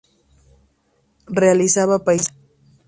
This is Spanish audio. Realizaba paisajes.